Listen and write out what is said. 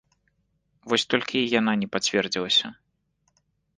Вось толькі і яна не пацвердзілася.